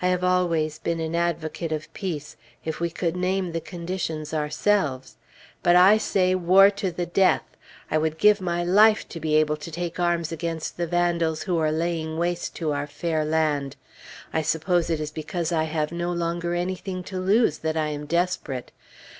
I have always been an advocate of peace if we could name the conditions ourselves but I say, War to the death! I would give my life to be able to take arms against the vandals who are laying waste our fair land! I suppose it is because I have no longer anything to lose that I am desperate.